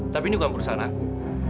tapi ini bukan perusahaan aku